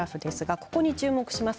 ここに注目します。